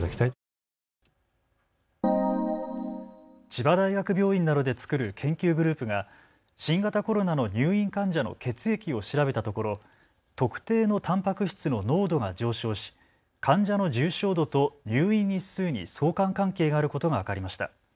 千葉大学病院などで作る研究グループが新型コロナの入院患者の血液を調べたところ、特定のたんぱく質の濃度が上昇し患者の重症度と入院日数に相関関係があることが分かりました。